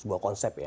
sebuah konsep ya